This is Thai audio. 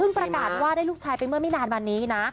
ประกาศว่าได้ลูกชายไปเมื่อไม่นานมานี้นะ